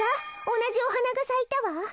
おなじおはながさいたわ。